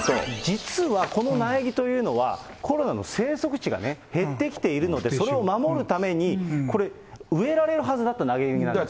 実は、この苗木というのは、コアラの生息地が減ってきているので、それを守るためにこれ、植えられるはずだった苗木なんです。